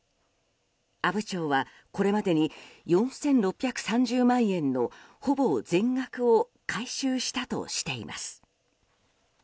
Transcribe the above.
阿武町は、これまでに４６３０万円のほぼ全額を回収したとしています。